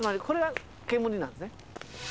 これが煙なんですね。